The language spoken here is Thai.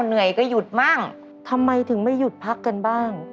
เหนื่อยก็หยุดมั่งทำไมถึงไม่หยุดพักกันบ้าง